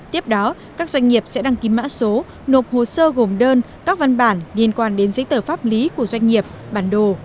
tiếp đó các doanh nghiệp sẽ đăng ký mã số nộp hồ sơ gồm đơn các văn bản liên quan đến giấy tờ pháp lý của doanh nghiệp bản đồ